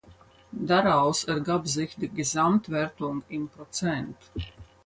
Daraus ergab sich die Gesamtwertung in Prozent.